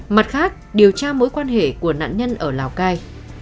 mặt khác điều tra mối quan hệ của nạn nhân ở lào cai